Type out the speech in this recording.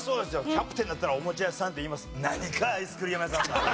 キャプテンだったらおもちゃ屋さんって言います。